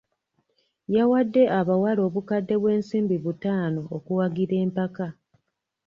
Yawadde abawala obukadde bw'ensimbi butaano okuwagira empaka.